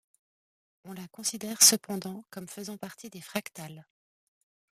On la considère cependant comme faisant partie des fractales.